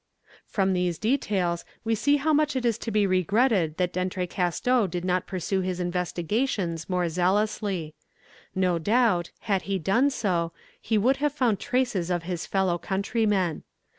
From these details we see how much it is to be regretted that D'Entrecasteaux did not pursue his investigations more zealously. No doubt, had he done so, he would have found traces of his fellow countrymen.